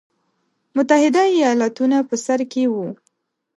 متحده ایالتونه په سر کې وو.